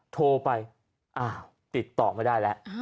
โทรไปอ้าวติดต่อไม่ได้แล้ว